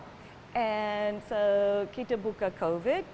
dan jadi kita buka covid